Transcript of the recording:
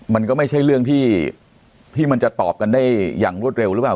มันก็ไม่ใช่เรื่องที่มันจะตอบกันได้อย่างรวดเร็วหรือเปล่า